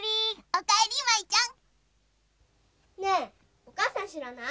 おかえり舞ちゃん。ねえおかあさんしらない？